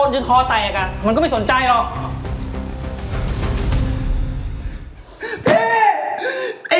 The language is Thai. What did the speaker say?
ช่วยกันช่วยหน่อย